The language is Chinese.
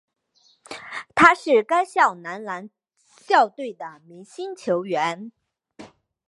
他是该校男篮校队的明星球员。